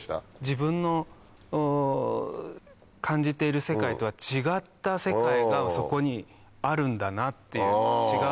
自分の感じている世界とは違った世界がそこにあるんだなっていう違う社会が。